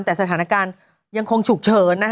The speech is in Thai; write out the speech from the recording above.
แต่สถานการณ์ยังคงฉุกเฉิน